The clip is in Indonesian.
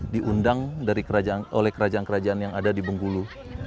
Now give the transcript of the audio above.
diundang oleh kerajaan kerajaan yang ada di bengkulu